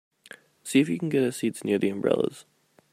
See if you can get us seats near the umbrellas.